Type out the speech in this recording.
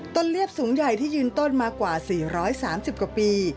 เรียบสูงใหญ่ที่ยืนต้นมากว่า๔๓๐กว่าปี